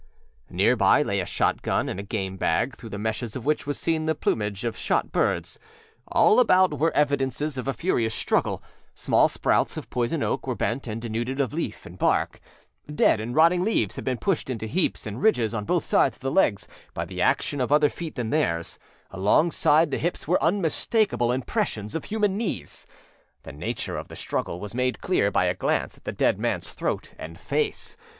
Near by lay a shotgun and a game bag through the meshes of which was seen the plumage of shot birds. All about were evidences of a furious struggle; small sprouts of poison oak were bent and denuded of leaf and bark; dead and rotting leaves had been pushed into heaps and ridges on both sides of the legs by the action of other feet than theirs; alongside the hips were unmistakable impressions of human knees. The nature of the struggle was made clear by a glance at the dead manâs throat and face.